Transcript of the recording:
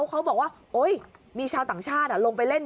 คุณผู้ชมบอกว่ามีชาวต่างชาติลงไปเล่น